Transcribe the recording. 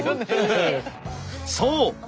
そう！